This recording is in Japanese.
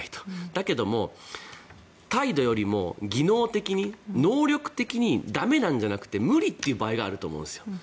だけども、態度よりも技能的に能力的に駄目じゃなくて無理という場合があると思うんですよ。